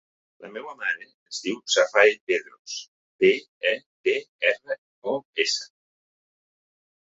La meva mare es diu Safae Pedros: pe, e, de, erra, o, essa.